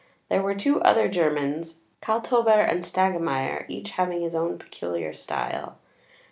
There were two other Germans, Kalthoeber and Staggemeier, each having his own peculiar style.